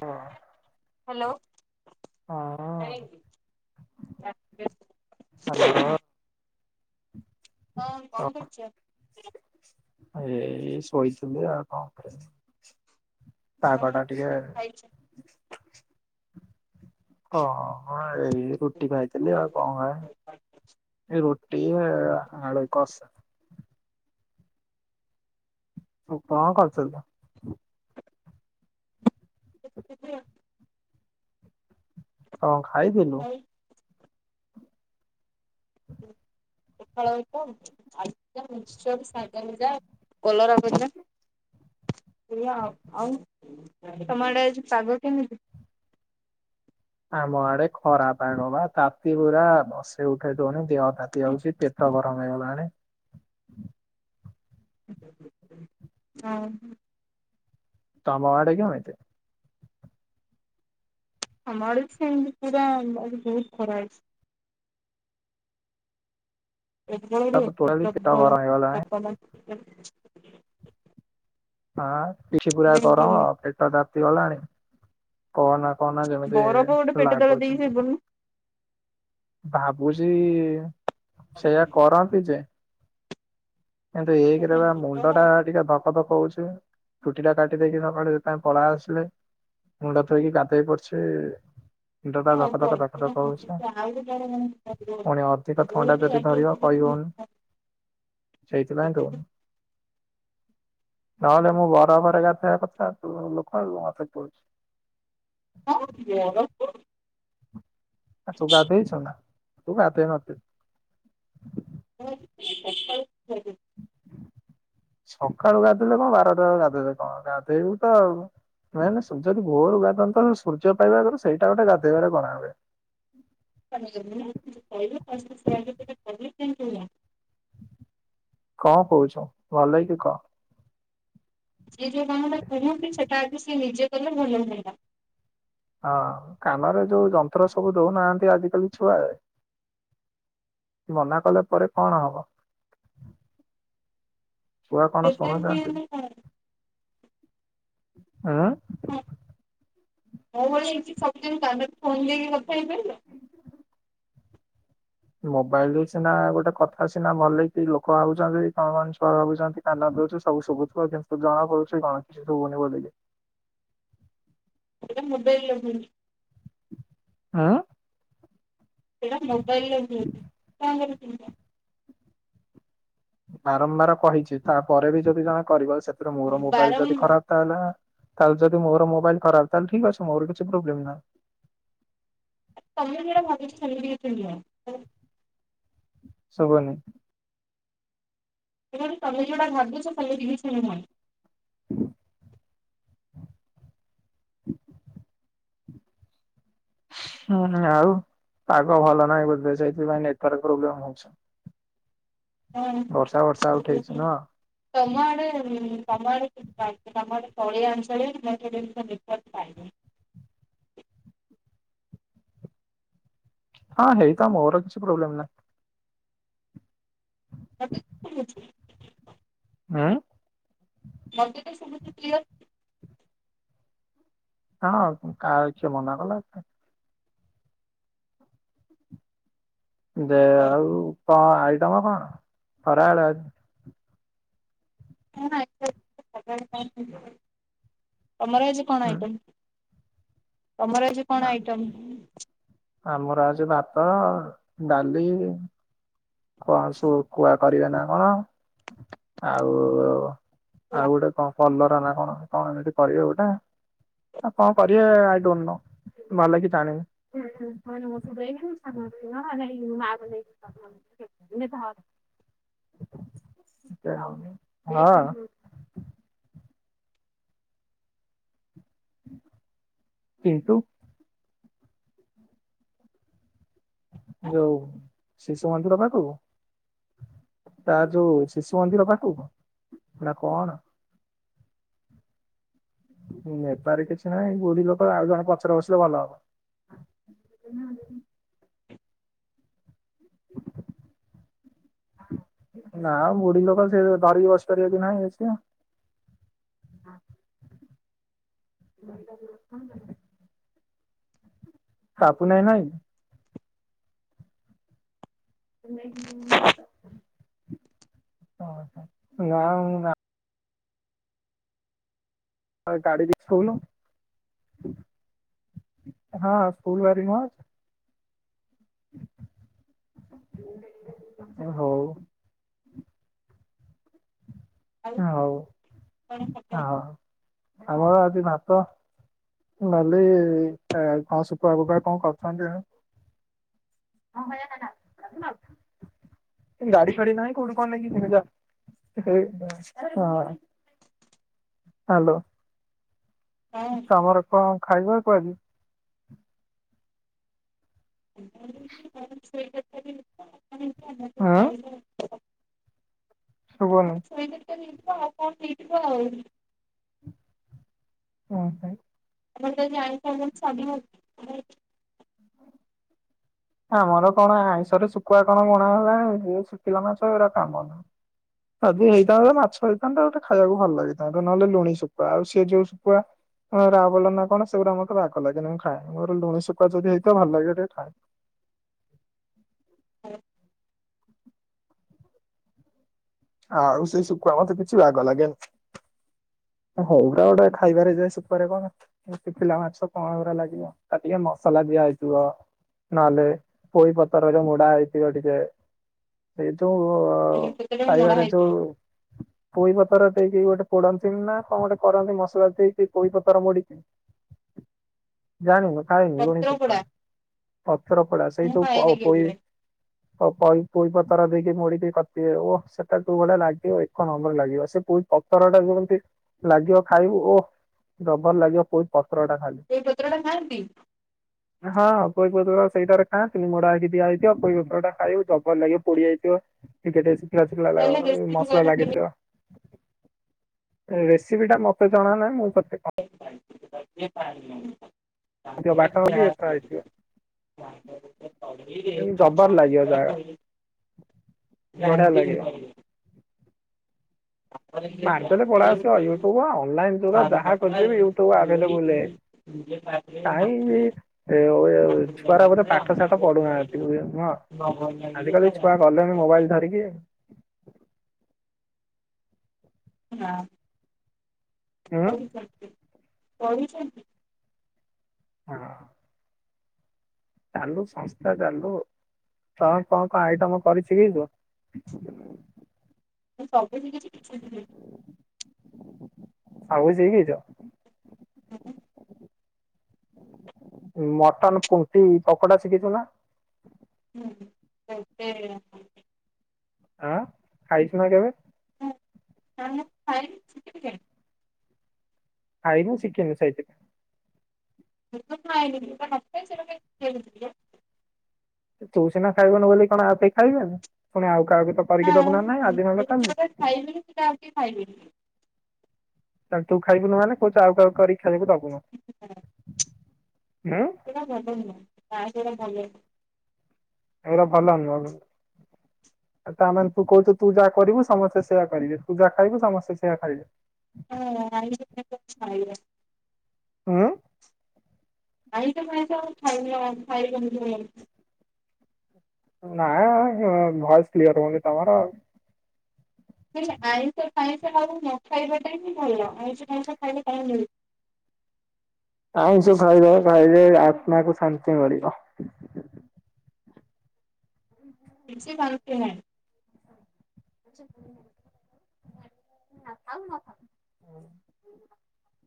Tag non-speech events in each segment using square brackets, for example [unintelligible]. ହଁ, ହ୍ୟାଲୋ ହଁ, ହଁ। ହ୍ୟାଲୋ। ହଁ କଣ କରୁଛ? ଏ ଶୋଇଥିଲି, ଆଉ' କଣ କରିବି। ପାଗ ଆଉ ଟା ଟିକେ କଣ ଖାଇଛ? ହଁ ମ, ଏଇ ରୁଟି ଖାଇଥିଲି। ଆଉ କଣ, ଖାଇବି। ରୁଟି ଇଏ, ଆଳୁ କସା। ତୁ କଣ, କରୁଥିଲୁ? ସେିକ [unintelligible] କଣ, ଖାଇଥିଲୁ? ହୁ। ପଖାଳ ଭାତ, ଆଳୁ ଭଜା, ମିକ୍ସିଚର, ଶାଗ ଭଜା କଲରା ଭଜା ସେଇଆ ଆଉ'। ଆଉ'ତମ, ଆଡେ଼ ଆଜି ପାଗ କେମିତି? ଆମ ଆଡେ଼ ଖରା ପାଗ ବା, ତାତି ପୁରା ବସେଇ ଉଠେଇ ଦଉନି ଦେହ ତାତି ଯାଉଛି। ପେଟ ଗରମ ହେଇଗଲାଣି। ହଁ। ତମ ଆଡେ଼ କେମିତି? ଆମ' ଆଡେ଼ ସେମିତି ପୁରା ବଢ଼ି ବହୁତ ଖରା ହେଇଛି। ଏ ବେଳରେ ତାପରେ ଏତେ ଟୋଟାଲି ପେଟ ପ୍ରବଳ ଗରମ ହେଇଗଲାଣି। ତାପମାତ୍ରା। ହଁ କିଛି ପୁରା କର। ଯେମିତି ପେଟ ତାତି ଗଲାଣି। କହନା, କହନା ଯେମିତି ବରଫ ଗୋଟେ ପେଟ ତଳେ ଲାଗୁଛି। ଦେଇକି ଭାବୁଛି ସେୟା କରନ୍ତି ଯେ କିନ୍ତୁ ଏକେରେ ବା ମୁଣ୍ଡ ଶୋଇପଡୁନୁ। ଟା ଟିକେ ବ ଖତ କହୁଛି। ଚୁଟି ଟା କାଟି ଦେଇକି ସକାଳୁ ଏଥି ପାଇଁ ପଳେଇ ଆସିଲି। ମୁଣ୍ଡ ଧୋଇକି ଗାଧେଇ ପଡ଼ିଛି। ଯିଏ ମୁଣ୍ଡଟା ଯୋଉ ଧକ, ଧକ, କାମଟା ଧକ, ଧକ କୁହନ୍ତି ହଉଛି। ପୁଣି ଅଧିକ ଥଣ୍ଡା ଯଦି ଧରିବ କହିବୁ। ଜୁନ୍। ସେଇ ଦିନ ଆଙ୍କୁ ନହେଲେ ମୁଁ ବରଫ ରେ ଗାଧେଇ ବା କଥା। ତୁ ଲୋକ ମୋତେ କହୁଛୁ। କଣ କରୁଛୁ। କିରେ ଅଡ଼ର କରୁଛୁ। [unintelligible] ଆ ତୁ ଗାଧୋଇ ଚୁନା? ତୁ ଗାଧୋଇ ନଥିବୁ। ହଁ ସକାଳୁ ଗାଧୋଇଲେ କଣ? ବାରଟା ବେଳେ ଗାଧୋଇଲେ କଣ? ଗାଧେଇବୁ ତ ଆଉ। ନାଇଁ ନ, ସୂର୍ଯ୍ୟ ଆଜି ଭୋରୁ ଗାଧାନ୍ତି। ତାହେଲେ, ସୂର୍ଯ୍ୟ ପାଇବା ଆଗରୁ ସେଇଟା ଗୋଟେ ଗାଧେଇବାରେ ଗଣା ହୁଏ। [inaudible] କଣ କହୁଛ? ଭଲ ହେଇକ କହ? ଯିଏ ଯେଉଁ କାମଟା କୁହନ୍ତି। ସେଟା ଆଜି ସେ ନିଜେ କରିବେ ଭଲ ହୁଅନ୍ତା। ହଁ କାନରେ ଯୋଉ ଯନ୍ତ୍ର ସବୁ ଦଉନାହାନ୍ତି ଆଜିକାଲି ଛୁଆ? ମନା କଲେ ପରେ କଣ ହବ? ଛୁଆ କଣ, ଶୁଣୁଛନ୍ତି। ହୁଁ- ହଁ ମୋ ଭଳି ହେଇଛି ସବୁଦିନ ତା ଫୋନ ଦେଇକି କଥା ହେଇବେ [unintelligible] ଆ ମୋବାଇଲରେ ସିନା ଗୋଟେ କଥା ସିନା ଭଲ କି ଲୋକ ଭାବୁଚନ୍ତି କଣ ମାନେ ଛୁଆ ଭାବୁଚନ୍ତି କାନ ସବୁ ଶୁବୁଥିବା କିନ୍ତୁ ଜଣା ପଡୁଚି କଣ କିଛି ସୁବୁନି ବୋଲିକି। ଏଇଟା ମୋବାଇଲ ହଁ। ସେଇଟା ମୋବାଇଲରେ ହୁଏ କ [unintelligible] ବାରମ୍ବାର କହିଛି ତାପରେ ବି ଯଦି ଜଣେ କରିବ ସେଥିରେ ମୋର ମୋବାଇଲ ଯଦି ଖରାପ ତାହେଲେ ତାହେଲେ ଯଦି ମୋର ମୋବାଇଲ ଖରାପ ତାହଲେ ଠିକ ଅଛ ମୋର କିଛି ପ୍ରୋବ୍ଲେମ ନାହିଁ। ତମେ ଯଉଟା ଭାବିଛ ସେମିତି କିଛି ନୁହଁ। ସୁବୁନି। ଏବଂ ତମେ ଯୋଉଟା ଭାବୁଛ ସେମିତି କିଛି ନୁହଁ। ଆ [inaudible] ହୁଁ ଆଉ ପାଗ ଭଲ ନାହିଁ ବୋଧେ ସେଇଥିପାଇଁ ନେଟ୍ ୱର୍କ ପ୍ରୋବ୍ଲେମ୍ ହଉଛି। ବର୍ଷା ବର୍ଷା ହଁ ଉଠେଇଛି ନୁହଁ ତମଆଡେ ତମଆଡ଼େ ତଳିଆ ଅଞ୍ଚଳିଆ [unintelligible] ନେଟୱର୍କ ପାଏନି। [inaudible] ହଁ ହେଇଥାଉ ମୋର କିଛି ପ୍ରୋବ୍ଲେମ୍ ନାହିଁ। [unintelligible] ଉଁ [unintelligible] ହଁ କା ଇଛ ମନା କଲା ଦେ ତ। ଆଉ କଣ ଆଇଟମ କଣ ଖରାବେଳେ ଆ [unintelligible] ତମର ଆଜି କଣ ହୁଁ ଆଇଟମ୍? ତମର ଆଜି କଣ ଆଇଟମ? ଆମର ଆଜି ଭାତ ଡାଲି କଣ ସୁକୁଆ କରିବେ ନା କଣ ଆଉ ଆଉ ଗୋଟେ କଣ କଲରା ନା କଣ କଣ ଏମିତି କରିବେ ଗୋଟେ। ଆଉ କଣ କରିବେ ଆଇ ଡୋ ନୋ। ଭଲ କି ଜାଣିନି [unintelligible] ହଁ। କିନ୍ତୁ ଯଉ ଶିଶୁ ମନ୍ଦିର ପାଖୁକୁ? ତା ଯୋଉ ଶିଶୁ ମନ୍ଦିର ପାଖକୁ ନା କଣ? ନେବାରେ କିଛି ନାହିଁ ବୁଢୀ ଲୋକ ଆଉ ଜଣେ ପଛରେ ବସିଲେ ଭଲ ହବ। [unintelligible] [inaudible] ନା ବୁଢୀ ଲୋକ ସେ ଧରିକି ବସି ପାରିବେ କି ନାହିଁ ସିଏ। [unintelligible] ହାପୁନ୍ ଭାଇ ନାହିଁ କି? ଓ ହୋ ନାଁ ମୁଁ ନା। ହଁ ଗାଡ଼ିରେ ଶୋଉନୁ। ହଁ ସ୍କୁଲ ବାରି ନୁହଁ। ହଉ। ହଉ ହଁ ଆମର ଆଜି ଭାତ। ଡାଲି ଆଉ କଣ ଶୁଖୁଆ ଫୁକୁଆ କଣ କରିଚନ୍ତି। ଗାଡି ଫାଡି ନାହିଁ କୋଉଠୁ କଣ ନେଇକି ଯିବି ଯା। ହେଇ ହଁ ହାଲୋ। ତମର କଣ ଖାଇବାକୁ ଆଜି? [unintelligible] ଶୁବୁନି। [inaudible] କଣ ପାଇଁ। [unintelligible] ଆମର କଣ ଆଇଁଷରେ ଶୁଖୁଆ କଣ ମରା ହେଲା ଏଇ ଶୁଖିଲା ମାଛ ଏରା କାମ ନୁହଁ। ଯଦି ହେଇଥାନ୍ତା ମାଛ ହେଇଥାନ୍ତା ଗୋଟେ ଖାଇବାକୁ ଭଲ ଲାଗିଥାନ୍ତା ନଲେ ଲୁଣି ଶୁଖୁଆ ଆଉ ସେ ଯୋଉ ଶୁଖୁଆ। ରାହାବୋଲ ନା କଣ ସେଗୁରା ମୋତେ ବାଗ ଲାଗେନି ମୁଁ ଖାଏନି ମୋର ଲୁଣି ସୁୁଖୁଆ ଯଦି ହେଇଥିବ ଭଲ ଲାଗିବ ଟିକେ ଖାଏ। ଆଉ ସେଇ ଶୁଖୁଆ ମୋତେ ବାଗ ଲଗେନି। ହଉଟା ଗୋଟେ ଖାଇବାରେ ଯାଏ ସୁଖୁଆରେ କଣ ଏ ଶୁଖିଲା ମାଛ କଣ ଏଗୁରା ଲାଗିବ ଚାଟିଲେ ମସ୍ତ୍। ସଲାଦିଆ ହେଇଥିବ ନହେଲେ ପୋଇ ପତରରେ ମୋଡ଼ା ହେଇଥିବ ଟିକେ। ଏ ଯୋଉ ଖାଇବାରେ ଯୋଉ ପୋଇ ପତର ର ଦେଇକି ଗୋଟେ ପଡ [unintelligible] ଚୁନା କଣ ଗୋଟେ କରନ୍ତି ମସଲା ଦେଇକି ପୋଇପତର ମୋଡିକି ଜାଣୁ ଖାଇନୁ ଲୋଣୀ ପତ୍ର ସୁୁଖୁଆ ପୋଡା ପତର ପୋଡ଼ା ସେଇ ମୁଁ ଯୋଉ ଖାଏନି କେବେ। ପୋଇ ପୋଇ ପତର ଦେଇକି ମୋଡିକି କରିଥିବେ ଓ ସେଟା ଜଉ ଭଳିଆ ଲାଗିବ ଏକ ନମ୍ବର ଲାଗିବ ସେ ପୋଇ ପତର ଟାକୁ - ଲାଗିବ ଖାଇବୁ ଓ ଭଲ ଲାଗିବ ପୋଇପତର। ଏଇ ପତ୍ରଟା ଖାଆନ୍ତି। ହଁ ପୋଇ ପତର ସେଇଟାରେ ଖାଆନ୍ତି ମୋଡା ହେଇକି ଦିଆହେଇଥିବ। ପୋଇ ପତର ଟା ଖାଇବୁ ଜବର ଲାଗିବ ପୋଡିଯାଇଥିବ। ଟିକେ ଟିକେ ଶୁଖିଲା ଶୁଖିଲା ତାହେଲେ ଲାଗିବ ରେସିପି ମସଲା କହିଲେ ଲାଗିଥିବ। ରେସିପିଟା ମୋତେ ଜଣା ନାହିଁ ମୁଁ ତତେ କଣ ବାଟଣ କି ଏଟା [unintelligible] ହେଇଥିବ। ଏମିତି ଜବର ଲାଗିବ [unintelligible] ଜାଗା ବଢିଆ ଲାଗିବ। [unintelligible] ତାପରେ ସେ ମାରଦେଲେ ପଳେଇ ଗ୍ରାଇଣ୍ଡିଙ୍ଗ ଆସିବ। ଟି ୟୁଟୁବୁ ଅଲଲାଇନ୍ ଯୁଗ ସାରୁ ଯାହା ପଟୁଆରେ ଖୋଜିବି ୟୁଟୁବୁ ଘୋଡେଇକି ଆଭେଲେବୁଲରେ। ନିଜେ ପାଟିରେ କାହିଁକି ନାଖିବେ ଏ ନାଖି ଛୁଆରା ସାଇଲା ବୋଧେ ପରେ ପାଠ ଶାଠ ଅନ୍ୟକୁ ଖୁଆଇବେ ପଢୁନାହାନ୍ତି ନୁହଁ। ନ ଭଲ ଲାଗିଲେ ଆଜି କାଲି ତା ଛୁଆ ଗଲେଣି ମୋବାଇଲ ଧରିକି। [inaudible] ନାଁ। ହୁଁ ପଢୁଛନ୍ତି ପଢିଛନ୍ତି। [unintelligible] ଚାଲୁ ସଂସ୍ଥା ଚାଲୁ। କଣ କଣ ଆଇଟମ କରିଶିଖିଛୁ? ମୁଁ ସବୁ ଶିଖିଛି କିଛି ଶିଖିନି। ଆଉ ଶିଖିଛ। ହଁ। ମଟନ ପୁଣ୍ଟି ପକୋଡା ଶିଖିଛୁ ନା? [unintelligible] ଆଁ ଖାଇସୁମା କେବେ? [inaudible] [unintelligible] [unintelligible] ଯୋଉଟା ନଥାଏ ସେଇଟା କାହିଁ [unintelligible] ତୁ ସିନା ଖାଇବୁନି ବୋଲି କଣ ଆଉ କେହି ଖାଇବେନି? ପୁଣି ଆଉ କାହାକୁ ତ କରିକି ଦବୁ ନା ନାହିଁ ଆଜି ନହେଲେ କାଲି? ଯୋଉଟା ଖାଇବେନି ସେଟା ଆଉ କେହି ଖାଇବେନି। ତାହାଲେ ତୁ ଖାଇବୁନୀ ମାନେ କହୁଛୁ ଆଉ କାହାକୁ କରିକି ସେ ଖେଳିବାକୁ ଦବୁନି ହୁଁ? ନା ସେଟା ଭଲ ନୁହ। ଏଗୁରା ଭଲ ନୁହଁ। ତା ମାନେ ତୁ କହୁଛୁ ତୁ ଯାହା କରିବୁ ସମସ୍ତେ ସେୟା କରିବେ? ତୁ ଯାହା ଖାଇବୁ ସମସ୍ତେ ସେୟଆ ଖାଇବେ? ହୁଁ [unintelligible] ଆଇଁଷ ଫାଇଁଶ ଆଉ ଖାଇନ ଖାଇବନି [unintelligible] ନା ହୁଁ ଭଏସ କ୍ଲିୟର ହଉନି ତମର ଆଉ। ହେ ଆଇଁଷ ପାଇଁଷ ବାବୁ ନ ଖାଇବାଟା ହିଁ ଭଲ ଆଇଁଷ ପାଇଁଷ ଖାଇଲେ କଣ ମିଳିବ? [inaudible] ଆଇଁଷ ଖାଇବା ଖାଇଲେ ଆତ୍ମାକୁ ଶାନ୍ତି ମିଳିବ। କିଛି ଶାନ୍ତି ନାହିଁ [unintelligible]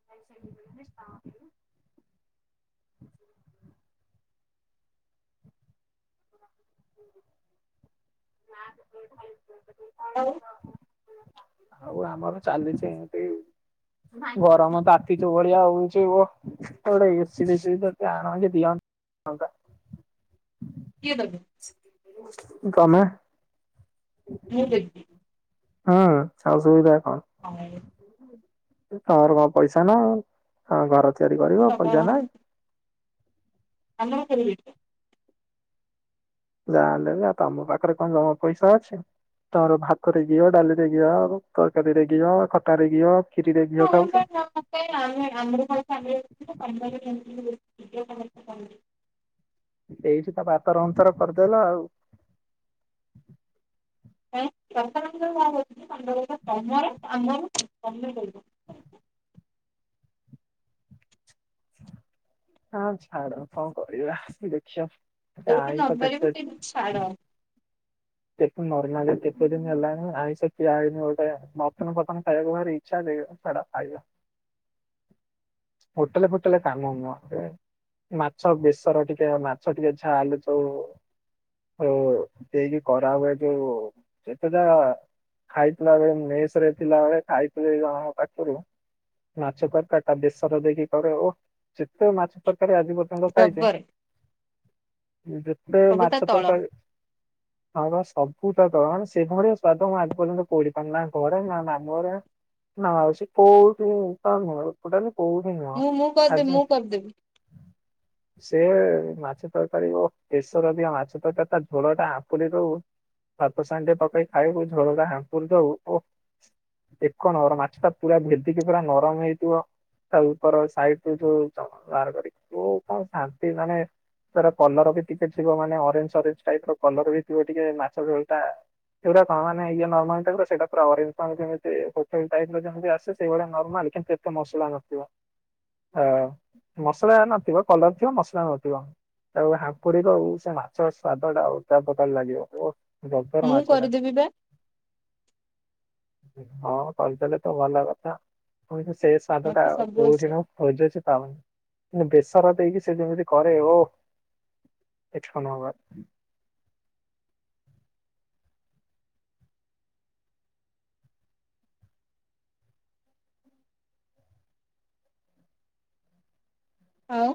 [unintelligible] [inaudible] ନାଁ [unintelligible] ଆଉ ଆଉ ଆମର ଚାଲିଛି ଏମିତି ଗରମ ତାତି ଯୋଉଭଳିଆ ହଉଚି ଓଃ ତ ଗୋଟେ ଏସି ଫେଶି ଆନନ୍ତେ ଦିଅନ୍ତି। ହଙ୍କା କିଏ ଦେବେ ଗମା ମୁଁ ଦେବି ସବୁ ସୁବିଧା ଆଉ ତମର କଣ ପଇସା ନାହିଁ? ହଁ ଘର ତିଆରି କରିବ ପଇସା ନାହିଁ? ଆନ୍ଦୋଳନ କରିବି ଏଇଥିପାଇଁ। ଯାହା ହେଲେ ବି ଆଉ ତମ ପାଖରେ କଣ ଜମା ପଇସା ଅଛି? ତର ଭାତରେ ଘିଅ ଡାଲିରେ ଘିଅ ତରକାରୀରେ ଘିଅ, ଖଟା ରେ ଘିଅ ଖିରିରେ [unintelligible] ଘିଅ ଖାଉଛ। ଆମେ କଣ ଆମେ ଆମକୁ କହୁଚ [unintelligible] [unintelligible] ଏଇଠି ତ ପାତର ଅନ୍ତର କରିଦେଲ ଆଉ। [unintelligible] [inaudible] ହଁ ଛାଡ କଣ କରିବା ଦେଖିବା। ଏ ଯୋଉଠି ଆଇଁଷ ନପାରିବ କେତେ? ସେଇଠି ଛାଡ ତେକୁ ନର୍ମାଲି କେତେ ଦିନ ହେଲାଣି ଆଇଁଷ ଖିଆହେଇନି ଗୋଟେ ମଟନ ଫଟନ ଖାଇବାକୁ ଭାରି ଇଛାଯେ ଦିଅ ଛାଡ ଖାଇବା। [inaudible] ହୋଟେଲ ଫୋଟେଲେ କାମ ନୁହଁ ସେ ମାଛ ବେସର ଟିକେ ମାଛ ଟିକେ ଛାଲୁଛଉ ଓ ଦେଇକି ଖରା ହୁଏ ଜୋ ଯେତେଟା ଖାଇଥିଲା ବେଳେ ମେଶ୍ ରେ ଥିଲାବେଳେ ଖାଇଥିଲେ କି କଣ ଆମ ପାଖରୁ ମାଛ ତରକାରୀ ଟା ବେସର ଦେଇକି କର ଓ ଯେତେ ମାଛ ତରକାରୀ ଆଜି ପର୍ଯ୍ୟନ୍ତ ଖାଇଛେ ଜବର ଯେତେ ସବୁ ତା ମାଛ ତଳ ତରକାରୀ ତ ସବୁତକ ସେଭଳିଆ ସ୍ଵାଦ ମୁଁ ଆଜି ପର୍ଯ୍ୟନ୍ତ କୋଉଠି ପାଇନି। ନା ଘରେ ନା ମାମୁଁଘରେ ନାଁ ଅଛି [unintelligible] ମୁଁ ମୁଁ କରିଦେବି ମୁଁ କରିଦେବି। ସେ ମାଛ ତରକାରୀ ବେଶର ବି ମାଛ ତରକାରୀ ତା ଝୋଳ ଟା ଆପୁଲି ରୁ ହାତ ସାଣ୍ଡେ ପକେଇ ଖାଇବୁ ଝୋଳଡା ହାପୁର ଦବୁ ଓ ଏକ ନମ୍ବର ମାଛ ଟା ପୁରା ଭେଦିକି ପୁରା ନରମ ହେଇଥିବ ତା ଉପର ସାଇଡୋଉ [unintelligible] କରି ଶାନ୍ତି ମାନେ ତାର କଲର ବି ଟିକେ ଥିବ ମାନେ ଅରେଞ୍ଜ ଅରେଞ୍ଜ ଟାଇପ ର କଲର ବି ଥିବ ଟିକେ ମାଛ ଝୋଳ ଟା ସେଗୁଟାଣ ମାନ ଇଏ ନର୍ମାଲ ଟାଇପର ସେଇଟାା ଅ୍ତି ହୋଟେଲ ଟାଇପ ରମତି ଆସ ସେଇଭଳିଆ ନର୍ମାଲ କିନ୍ତ କେତେ ମସଲା ନଥିବ। ହ ମସଲା ନଥିବ କଲର ଥିବ ମସଲା ନଥିବ। ତା ହାପୁଡ଼ିବ ଆଉ ସେ ମାଛ ସ୍ଵାଦ ଟା ଅଲଗା ପ୍ରକାର ଲାଗିବ ଓଃ। ଗବର ମୁଁ ମାଛଟା। କରିଦେବି ବା ହଁ କହିଦେଲେ ତ ଭଲ କଥା ମଣି ସେ ସ୍ବଦ ଟା ମତେ ସବୁ କୋଉଠି ଆସେ ମୁଁ ଖୋଜୁଛି ପାଉନି। ବେସର ଦେଇକି ସେ ଯେମିତି କରେ ଓ ଏକ ନମ୍ବର। ଆଉ।